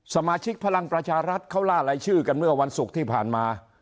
สมาชิกพลังประชารัฐเขาล่ารายชื่อกันเมื่อวันศุกร์ที่ผ่านมา